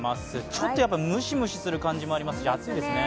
ちょっとムシムシする感じもあります、暑いですね。